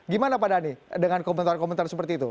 gimana pak dhani dengan komentar komentar seperti itu